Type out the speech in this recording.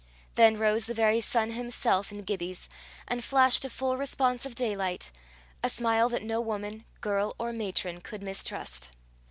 Then rose the very sun himself in Gibbie's, and flashed a full response of daylight a smile that no woman, girl, or matron, could mistrust.